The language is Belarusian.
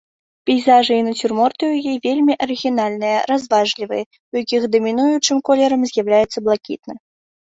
Пейзажы і нацюрморты ў яе вельмі арыгінальныя, разважлівыя, у якіх дамінуючым колерам з'яўляецца блакітны.